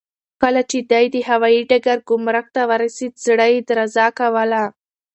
کله چې دی د هوايي ډګر ګمرک ته ورسېد، زړه یې درزا کوله.